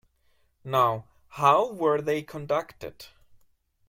Now, how were they conducted?